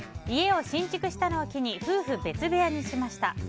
家を新築したのを機に夫婦別部屋にしました。